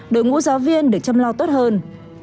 đội ngũ giáo viên được chăm lo tốt hơn